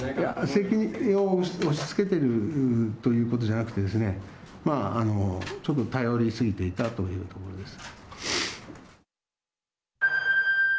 責任を押しつけているということじゃなくて、まあちょっと頼りすぎていたというところです。